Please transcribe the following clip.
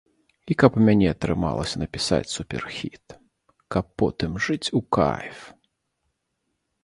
І каб у мяне атрымалася напісаць суперхіт, каб потым жыць у кайф.